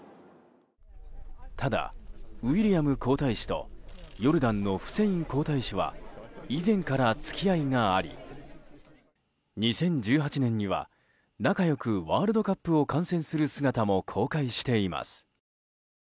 ただ、ウィリアム皇太子とヨルダンのフセイン皇太子は以前から付き合いがあり２０１８年には仲良くワールドカップを観戦する姿も公開しています。